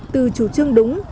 từ chủ trương đúng